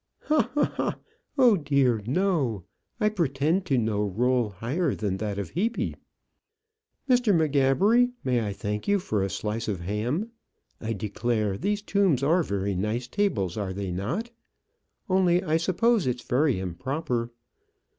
"Ha! ha! ha! oh dear, no. I pretend to no rôle higher than that of Hebe. Mr. M'Gabbery, may I thank you for a slice of ham? I declare, these tombs are very nice tables, are they not? Only, I suppose it's very improper.